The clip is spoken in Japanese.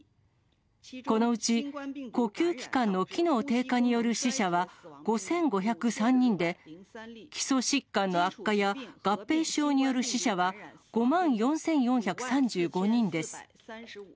このうち呼吸器官の機能低下による死者は５５０３人で、基礎疾患の悪化や、合併症による死者は５万４４３５人です。